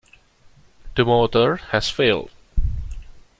The motor has failed.